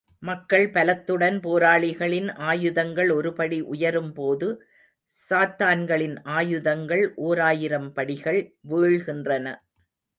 மக்கள் பலத்துடன் போராளிகளின் ஆயுதங்கள் ஒருபடி உயரும்போது சாத்தான்களின் ஆயுதங்கள் ஓராயிரம் படிகள் வீழ்கின்றன.